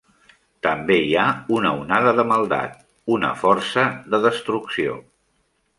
També hi ha una onada de maldat, una força de destrucció.